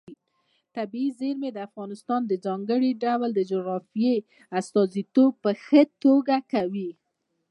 طبیعي زیرمې د افغانستان د ځانګړي ډول جغرافیې استازیتوب په ښه توګه کوي.